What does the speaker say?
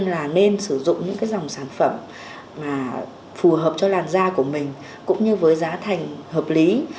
nên là nên sử dụng những cái dòng sản phẩm mà phù hợp cho làn da của mình cũng như với giá thành hợp lý